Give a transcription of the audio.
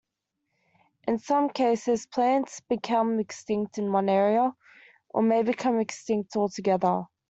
In some cases, plants become extinct in one area or may become extinct altogether.